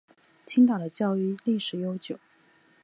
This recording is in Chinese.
青岛的教育历史悠久。